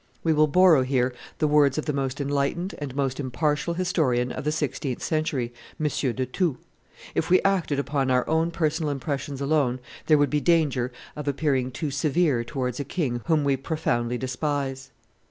We will borrow here the words of the most enlightened and most impartial historian of the sixteenth century, M. de Thou; if we acted upon our own personal impressions alone, there would be danger of appearing too severe towards a king whom we profoundly despise.